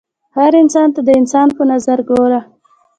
هر انسان ته د انسان په نظر ګوره